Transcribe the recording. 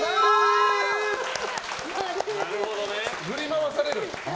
振り回されるの？